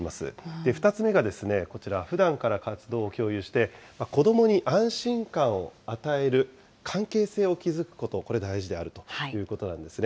２つ目がこちら、ふだんから活動を共有して、子どもに安心感を与える関係性を築くこと、これ大事であるということなんですね。